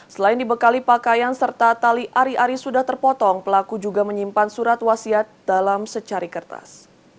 selain dibekali pakaian serta tali ari ari sudah terpotong pelaku juga menyimpan surat wasiat dalam secari kertas